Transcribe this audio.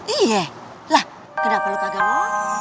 iya lah kenapa lu kagak mau